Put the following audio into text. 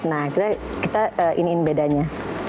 nah kita iniin bedanya